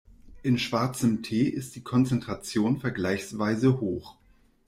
In schwarzem Tee ist die Konzentration vergleichsweise hoch.